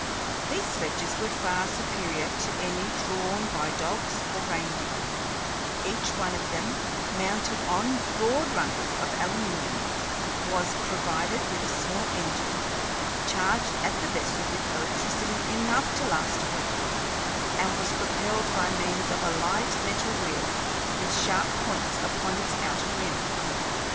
These sledges were far superior to any drawn by dogs or reindeer; each one of them, mounted on broad runners of aluminium, was provided with a small engine, charged at the vessel with electricity enough to last a week, and was propelled by means of a light metal wheel with sharp points upon its outer rim.